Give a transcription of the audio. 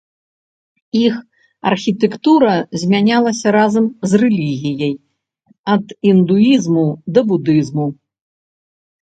Іх архітэктура змянялася разам з рэлігіяй, ад індуізму да будызму.